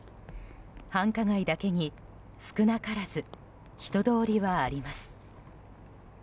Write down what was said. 繁華街だけに少なからず人通りはあります。